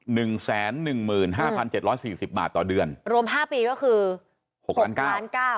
หนึ่งแสนหนึ่งหมื่นห้าพันเจ็ดร้อยสี่สิบบาทต่อเดือนรวมห้าปีก็คือหกล้านเก้าล้านเก้า